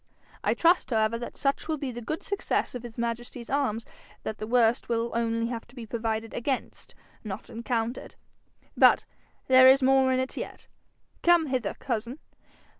I trust however that such will be the good success of his majesty's arms that the worst will only have to be provided against, not encountered. But there is more in it yet. Come hither, cousin.